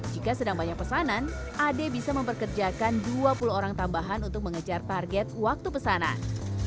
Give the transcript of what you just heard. jika sedang banyak pesanan ade bisa memperkerjakan dua puluh orang tambahan untuk mengejar target waktu pesanan